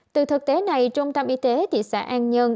từ thực tế này trung tâm y tế thị xã an nhơn